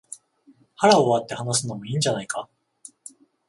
腹を割って話すのもいいじゃないか